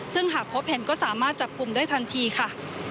ซึ่งหากพบเห็นก็สามารถจับกลุ่มได้ทันทีค่ะ